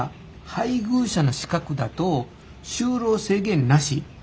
「配偶者」の資格だと「就労制限なし」。